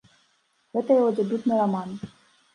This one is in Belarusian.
Гэта яго дэбютны раман.